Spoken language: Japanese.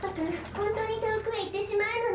ホントにとおくへいってしまうのね。